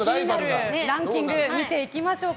ランキング見ていきましょうか。